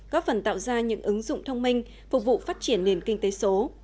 góp phần tạo ra những ứng dụng thông minh phục vụ phát triển nền kinh tế số